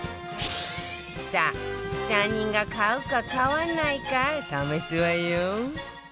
さあ３人が買うか買わないか試すわよ